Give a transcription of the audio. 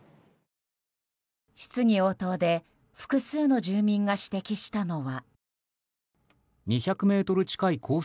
質疑応答で複数の住民が指摘したのは。